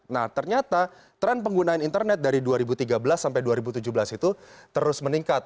nah ternyata tren penggunaan internet dari dua ribu tiga belas sampai dua ribu tujuh belas itu terus meningkat